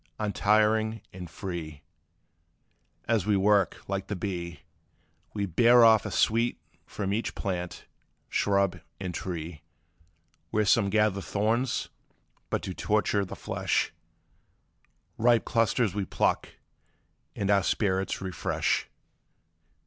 Untiring and free, As we work, like the bee, We bear off a sweet from each plant, shrub, and tree: Where some gather thorns but to torture the flesh, Ripe clusters we pluck, and our spirits refresh.